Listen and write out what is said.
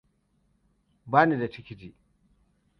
Bani da tikiti.